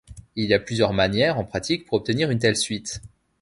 Il y a plusieurs manières en pratique pour obtenir une telle suite.